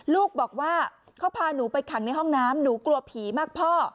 ลูกบอกว่าเขาพาหนูไปขังในห้องน้ำหนูกลัวผีมากพ่อ